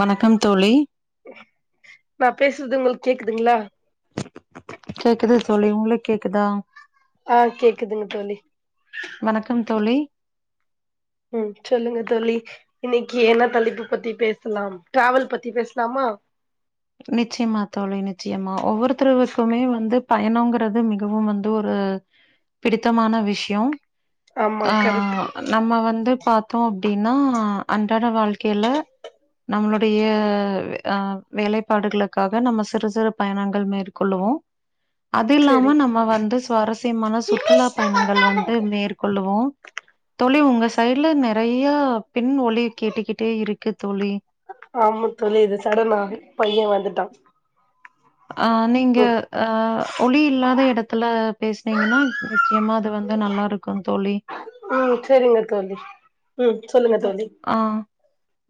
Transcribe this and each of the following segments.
வணக்கம் தோழி றதுங்க உங்களுக்கு கேக்குதுங்களா கேக்குது தோழி உங்களுக்கு கேக்குதா ஆ கேக்குதுங்க தோழி வணக்கம் தோழி ம் சொல்லுங்க தோழி இன்னைக்கு என்ன தலைப்பு பத்தி பேசலாம் டிராவல் பத்தி பேசலாமா நிச்சயமா தோழி நிச்சயமா ஒவ்வொருத்தருவுக்குமே வந்து பயணங்கிறது மிகவும் வந்து ஒரு பிடித்தமான விஷயம் ஆமா ஆ கரெக்ட் நம்ம வந்து பார்த்தோம் அப்டின்னா அன்றாட வாழ்க்கையில நம்மளுடையஹ் வேலை ப்பாடுகளுக்காக நம்ம சிறு சிறு பயணங்கள் மேற்கொள்ளுவோம் அது செரி இல்லாம நம்ம வந்து சுவாரஸ்யமான சுற்றுலா பயணங்கள் வந்து மேற்கொள்ளுவோ தோழி உங்க சைடுல நிறையா பின் ஒலி கேட்டுக்கிட்டே இருக் ஆமா தோழி சடனா பையன் வந் துட்டான் ஆ நீங்க ஆ ஒலி இல்லாத இடத்துல பேசுனீங்கன்னா பிரச் ஏம்மா அது வந்து நல்லா இருக் ம் செரிங்க தோழி ம் சொல்லுங்க தோழி ஆ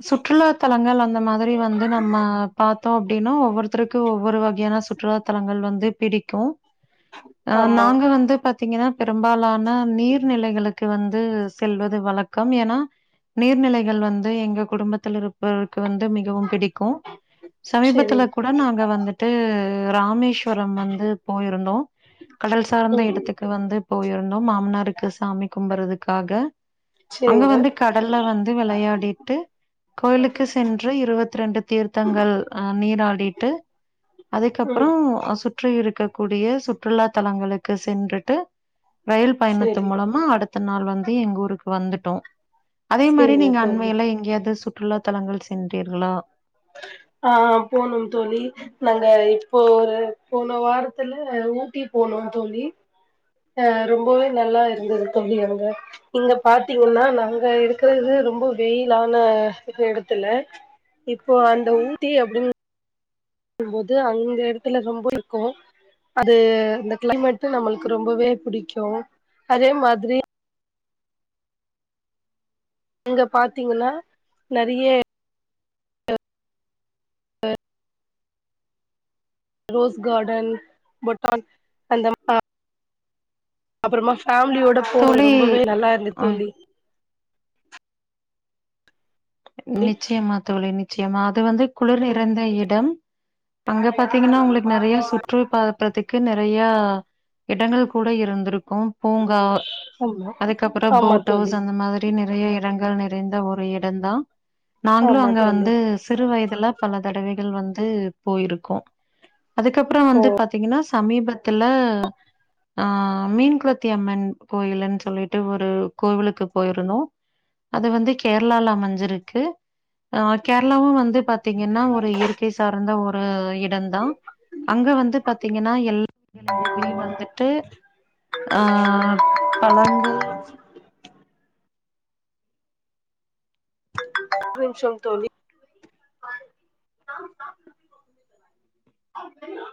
சுற்றுலாத்தலங்கள் அந்த மாதுரி வந்து நம்ம பாத் தோ அப்டின்னா ஒவ்வொருத்தர்க்கு ஒவ்வொரு வகையான சுற்றுலா தளங்கள் வந்து பிடிக்கு அ ஆமா நாங்க வந்து பாத் திங்கனா பெரும்பாலான நீர்நிலைகளுக்கு வந்து செல்வது வழக்கம் ஏனா நீர்நிலைகள் வந்து எங்க குடும்பத்திலிருப்பர்க் கு வந்து மிகவும் பிடிக்கு செரி சமீபத்துல கூட நாங்க வந்துட்டு ராமேஷ்வரம் வந்து போயிருந்தோ கடல் சார்ந்த ம் இடத்துக்கு வந்துப் போயிருந்தோம் மாமனாருக்கு சாமி கும்பர்றதுக்காக சேரிங்க கடல்ல வந்து வெளையாடிட்டு கோயிலுக்கு சென்று இருவத் ரெண்டு தீர்த்தங்கள் அ நீராடிட்டு அதைக்கப்றோ ம் அ சுற்றி இருக்கக் கூடிய சுற்றுலா தளங்களுக்கு சென்றுட்டு ரயில் பயணத்து செரி மூலமா அடுத்த நாள் வந்து எங்க ஊருக்கு வந்துட்டோ அதே மாரி செரிங்க நீங்க தோழி அண்மையில எங்கியாது சுட் ற்றுலா தலங்கள் சென்றீர்களா ஆ போனோம் தோழி நாங்க இப்போ ஒரு போன வாரத்துல ஊட்டி போனோ தோழி அ ரொம்பவே நல்லா இருந்தது தோழி அங்க இங்க பாத்தீங்கன்னா நாங்க இருக்குறது ரொம்பொ வெயிலான எடத்துல இப்போ அந்த ஊட்டி அப்டின் போது அந்த எடத்துல ரொம்ப இக்கு அது இந்த க்ளைமேட்ல நம்மள்க்கு ரொம்பவே புடிக்கு அதே மாத்ரி அங்க பாத்தீங்கனா நறிய ரோஸ் காடன் பொட்டான் அந்தம் ப அப்புறமா ஃபேம்லியோட [inaudible] தோழி ரொம்பவே நல்லா இர்ந்து ம் தோழி தோழி நிச்சியம்மா தோழி நித் சியமா அது வந்து குளுர் நிறந்த இடம் அங்க பாத்தீங்கன்னா உங்ளுக்கு நெறையா சுற்று பாத பரதிக் கு நெறையா எடங்கள் கூட இருந்துருக்கு பூங்கா ஆமா அதுக்கப்புற ஆமா போட் தோழி அவுஸ் அந்த மாதுரி நிறைய இரங்கள் நிற் ரிந்த ஒரு இடந்தா நாங்ளு ஆமா அங்க தோழி வந்து சிறு வயதுல பல தடவை இல் வந்து போயிருக்கு அதுக்கப்றோ வந்து பாத்தீங்கன்னாஸ் சமீபத்துல ஆ மீன் குளத்தி அம்மன் கோயில்ன்னு சொல்லிட்டு ஒரு கோவிலுக்கு போயிருந்தோ அது வந்து கேரளால அமைஞ்சிருக் கு ஆ கேரளாவு வந்து பாத்திங்கன்னா ஒரு இயற்கை சார்ந்த ஒரு எட ந்தா அங்க வந்து பாத்திங்கன்னா எல்லா எடங்கள்லயு வந்துட்டு ஆ பழங்கள் ஒரு நிமிஷம் தோழி